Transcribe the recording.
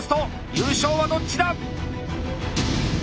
優勝はどっちだ。